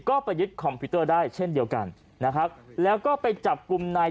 ก็ไปยึดคอมพิวเตอร์ได้เช่นเดียวกันนะครับแล้วก็ไปจับกลุ่มนาย